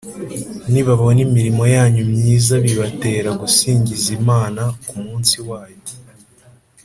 nibabona imirimo yanyu myiza bibatere gusingiza Imana ku munsi wayo